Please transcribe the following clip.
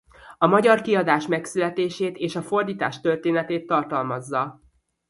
A magyar kiadás megszületését és a fordítás történetét tartalmazza.